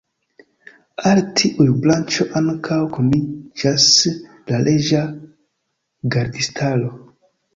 Al tiuj branĉo ankaŭ kuniĝas la Reĝa Gardistaro.